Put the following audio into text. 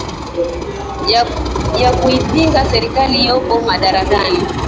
ya kuipinga serikali iliyopo madarakani